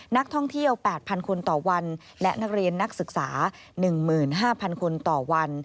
นักท่องเที่ยว๘๐๐คนต่อวันและนักเรียนนักศึกษา๑๕๐๐คนต่อวัน